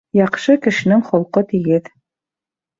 Яҡшы кешенең холҡо тигеҙ.